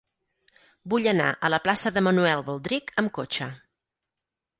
Vull anar a la plaça de Manuel Baldrich amb cotxe.